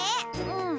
うん。